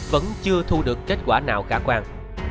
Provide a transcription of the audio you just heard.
vẫn chưa thu được kết quả nào cả quan